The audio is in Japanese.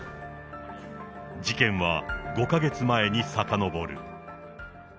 事件は５か月前にさかのぼる。